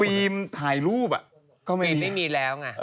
ฟิล์มถ่ายรูปก็ไม่มีแล้ว